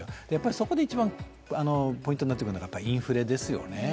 そこで一番ポイントになっているのがインフレですよね。